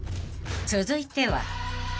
［続いては］